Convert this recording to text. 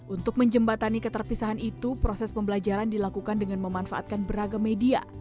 untuk menjembatani keterpisahan itu proses pembelajaran dilakukan dengan memanfaatkan beragam media